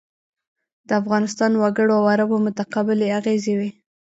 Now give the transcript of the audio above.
د افغانستان وګړو او عربو متقابلې اغېزې وې.